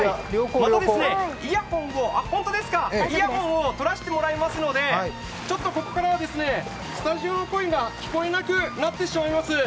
また、イヤホンを取らしてもらいますので、ちょっとここからはスタジオの声が聞こえなくなってしまいます。